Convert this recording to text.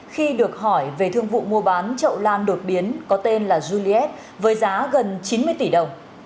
khi được hỏi về thương vụ mua bán chậu lan đột biến có tên là julie với giá gần chín mươi tỷ đồng